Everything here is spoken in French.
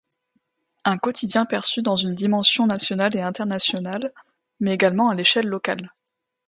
Un quotidien perçu dans une dimension nationale et internationale, mais également à l'échelle locale.